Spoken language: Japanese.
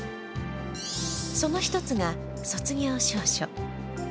その一つが、卒業証書。